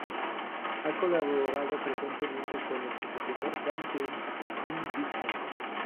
Ha colaborado frecuentemente con el compositor Dan Penn y Jim Dickinson.